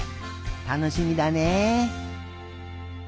たのしみだね。